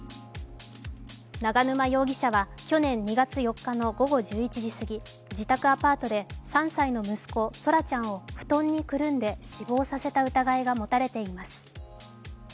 永沼容疑者は去年２月４日の午後１１時過ぎ、自宅アパートで３歳の息子・奏良ちゃんを布団にくるんで死亡させた疑いが持たれています。